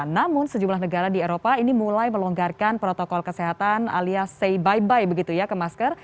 namun sejumlah negara di eropa ini mulai melonggarkan protokol kesehatan alias say by by begitu ya ke masker